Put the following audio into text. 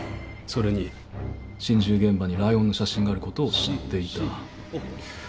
それに心中現場にライオンの写真があることを知っていた。